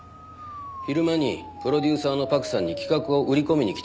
昼間にプロデューサーの朴さんに企画を売り込みに来たんです。